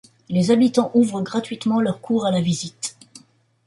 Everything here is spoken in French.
Les habitants ouvrent gratuitement leurs cours à la visite.